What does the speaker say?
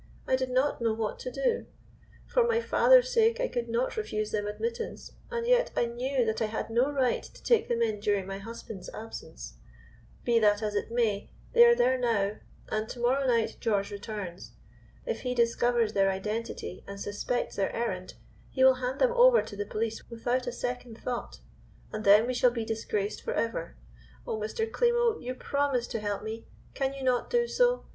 I did not know what to do. For my father's sake I could not refuse them admittance, and yet I knew that I had no right to take them in during my husband's absence. Be that as it may, they are there now, and to morrow night George returns. If he discovers their identity, and suspects their errand, he will hand them over to the police without a second thought, and then we shall be disgraced forever. Oh, Mr. Klimo, you promised to help me, can you not do so?